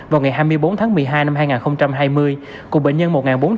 vào ngày hai mươi bốn tháng một mươi hai năm hai nghìn hai mươi cùng bệnh nhân một nghìn bốn trăm bốn mươi